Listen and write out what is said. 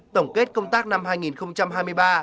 tổng kết công tác năm hai nghìn hai mươi ba